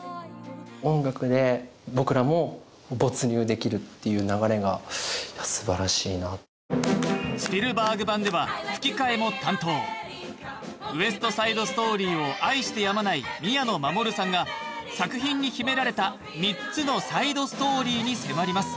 音楽で僕らも没入できるっていう流れがいや素晴らしいなスピルバーグ版では吹き替えも担当「ウエスト・サイド・ストーリー」を愛してやまない宮野真守さんが作品に秘められた３つのサイドストーリーに迫ります